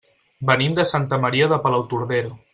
Venim de Santa Maria de Palautordera.